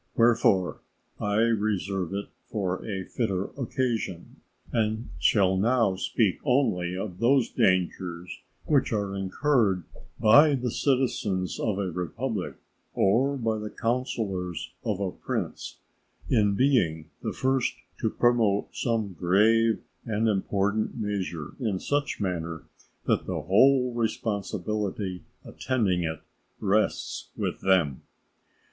Wherefore I reserve it for a fitter occasion, and shall now speak only of those dangers which are incurred by the citizens of a republic or by the counsellors of a prince in being the first to promote some grave and important measure in such manner that the whole responsibility attending it rests with them.